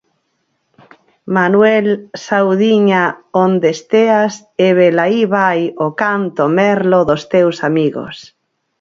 Manuel: saudiña onde esteas e velaí vai o canto merlo dos teus amigos.